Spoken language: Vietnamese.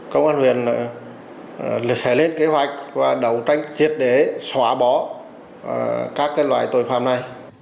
công an huyện sẽ lên kế hoạch và đấu tranh triệt để xóa bỏ các loại tội phạm này